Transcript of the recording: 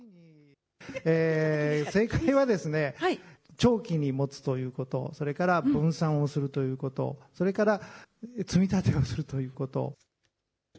正解は長期に持つということ、それから分散をするということ、それから積み立てをするということ。